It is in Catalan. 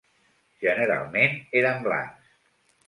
Generalment eren blancs.